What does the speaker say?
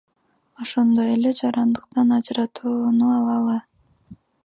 Ошондой эле жарандыктан ажыратууну алалы.